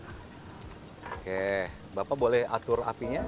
oke bapak boleh atur apinya